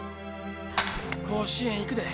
甲子園行くで。